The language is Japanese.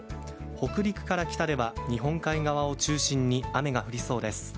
北陸から北では日本海側を中心に雨が降りそうです。